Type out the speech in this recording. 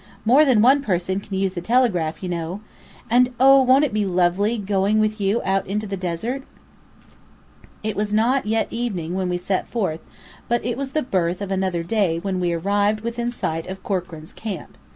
More than one person can use the telegraph, you know! And oh, won't it be lovely going with you out into the desert!" It was not yet evening when we set forth; but it was the birth of another day when we arrived within sight of Corkran's camp.